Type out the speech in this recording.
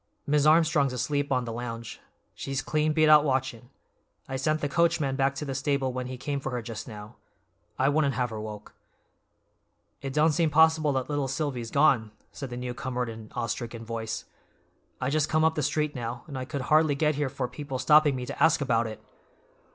"Mis' Armstrong's asleep on the lounge. She's clean beat out watchin'. I sent the coachman back to the stable when he came for her just now; I wouldn't have her woke." "It don't seem possible that little Silvy's gone," said the newcomer in an awestricken voice. "I just come up the street now, and I could hardly get here for people stopping me to ask about it.